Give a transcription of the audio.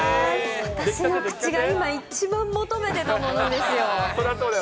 私の口が今、一番求めてたものですよ。